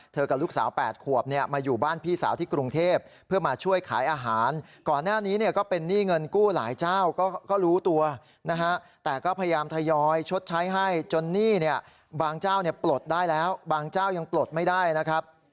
กับลูกสาว๘ขวบเนี่ยมาอยู่บ้านพี่สาวที่กรุงเทพเพื่อมาช่วยขายอาหารก่อนหน้านี้เนี่ยก็เป็นหนี้เงินกู้หลายเจ้าก็รู้ตัวนะฮะแต่ก็พยายามทยอยชดใช้ให้จนหนี้เนี่ยบางเจ้าเนี่ยปลดได้แล้วบางเจ้ายังปลดไม่ได้นะครับ